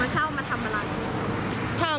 เช่ามาทำอะไร